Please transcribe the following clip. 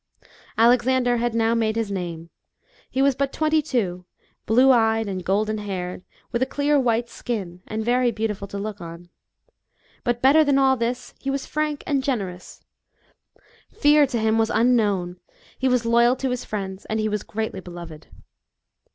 Alexander had now made his name. He was but twenty two, blae eyed and golden haired, with a clear white skin, and very beautiful to look on. But, better than all this, he was frank and gener ous ; fear to him was unknown ; he was loyal to his friends, and he was greatly beloved.